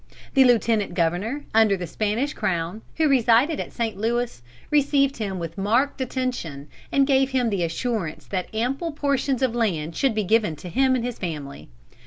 The Lieutenant Governor under the Spanish crown, who resided at St. Louis, received him with marked attention, and gave him the assurance that ample portions of land should be given to him and his family.